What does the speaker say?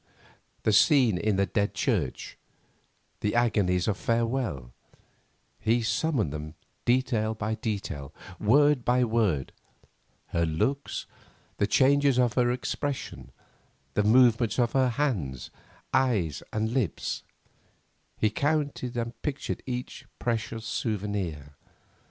The scene in the Dead Church, the agonies of farewell; he summoned them detail by detail, word by word; her looks, the changes of her expression, the movements of her hands and eyes and lips; he counted and pictured each precious souvenir.